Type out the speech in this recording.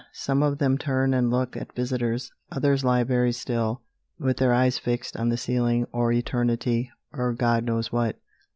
Some of them turn and look at visitors. Others lie very still, with their eyes fixed on the ceiling, or eternity, or God knows what.